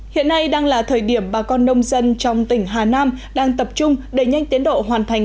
hiện nay đang là thời điểm bà con nông dân trong tỉnh hà nam đang tập trung đẩy nhanh tiến độ hoàn thành